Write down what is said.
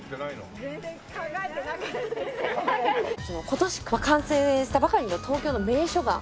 今年完成したばかりの東京の名所が。